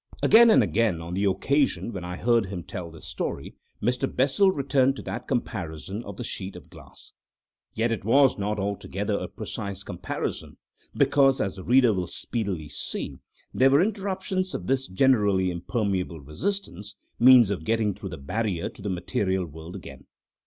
Again and again, on the occasion when I heard him tell this story, Mr. Bessel returned to that comparison of the sheet of glass. Yet it was not altogether a precise comparison, because, as the reader will speedily see, there were interruptions of this generally impermeable resistance, means of getting through the barrier to the material world again.